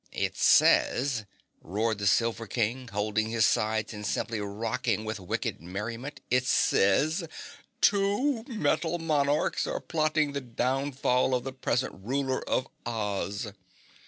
It says," roared the Silver King, holding his sides and simply rocking with wicked merriment, "it says: 'The two metal monarchs are plotting the downfall of the present ruler of Oz.'"